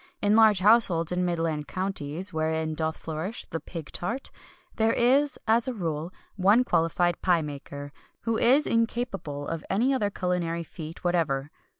In large households in the midland counties (wherein doth flourish the pig tart) there is, as a rule, but one qualified pie maker who is incapable of any other culinary feat whatever.